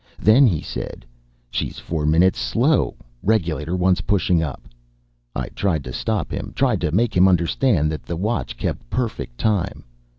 Then he said, "She is four minutes slow regulator wants pushing up." I tried to stop him tried to make him understand that the watch kept perfect time.